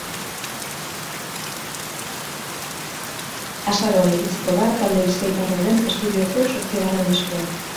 Azaroan iritsiko da talde bizkaitarraren estudioko zortzigarren diskoa.